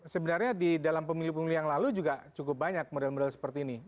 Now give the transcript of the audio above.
sebenarnya di dalam pemilu pemilu yang lalu juga cukup banyak model model seperti ini